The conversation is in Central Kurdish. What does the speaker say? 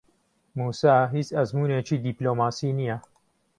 مووسا هیچ ئەزموونێکی دیپلۆماسی نییە.